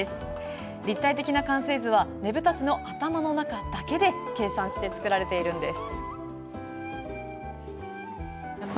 立体的な完成図はねぶた師の頭の中だけで計算して作られているんです。